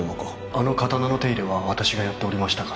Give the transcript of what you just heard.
あの刀の手入れは私がやっておりましたから